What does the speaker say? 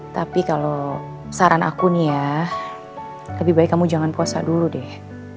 tapi kalau saran aku nih ya lebih baik kamu jangan puasa dulu deh